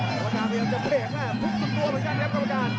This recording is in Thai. แต่ว่านาเวียนจะเปลี่ยนหน้าทุกสัตว์ตัวมากับยอดเยี่ยมกรรมการ